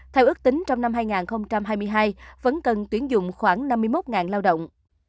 theo ước tính trong năm hai nghìn hai mươi hai vẫn cần tuyển dụng khoảng năm mươi một lao động